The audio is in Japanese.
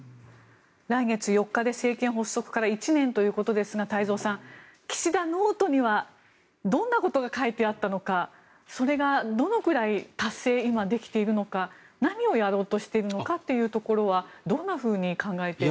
来月４日で政権発足から１年ということですが太蔵さん、岸田ノートにはどんなことが書いてあったのかそれがどのくらい今、達成できているのか何をやろうとしているのかというところはどんなふうに考えて。